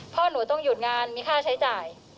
พ่อหนูต้องหยุดงานมีค่าใช้จ่าย